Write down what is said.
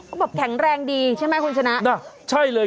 ก็บอกแข็งแรงดีใช่ไหมคุณชนะน่ะใช่เลย